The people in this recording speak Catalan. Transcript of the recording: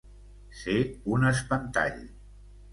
Ser un espantall.